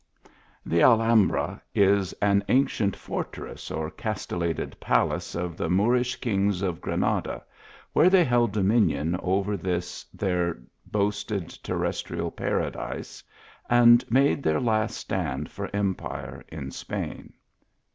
THE Alhambra is an ancient fortress or castel lated palace of the Moorish kings of Granada, *vhere they held dominion over this their coasted terrestrial paradise, and made their last stand for empire in Spain.